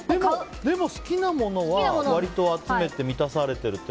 でも好きなものは割と集めて満たされてるって。